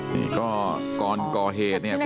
นี่ก็ก่อนก่อเหตุเนี่ย